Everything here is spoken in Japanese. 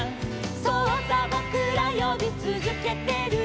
「そうさ僕ら呼び続けてる」